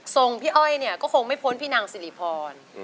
พี่อ้อยเนี่ยก็คงไม่พ้นพี่นางสิริพร